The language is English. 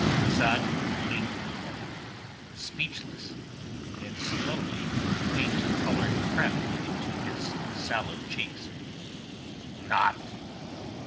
Asad blinked at him, speechless, and slowly a faint colour crept into his sallow cheeks. "Not...